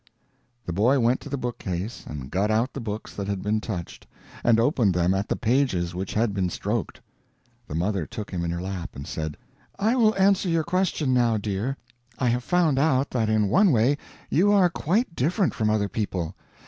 The boy went to the bookcase and got out the books that had been touched, and opened them at the pages which had been stroked. The mother took him in her lap, and said, "I will answer your question now, dear. I have found out that in one way you are quite different from other people.